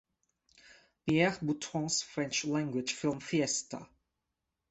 Pierre Boutron's French language film Fiesta!